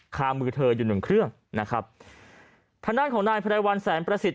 คามือเธออยู่หนึ่งเครื่องทางด้านของนายภรรยาวัลแสนประสิทธิ์